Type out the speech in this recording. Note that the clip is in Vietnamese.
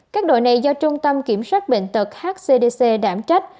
các đội này do trung tâm kiểm soát bệnh tật hcdc đảm trách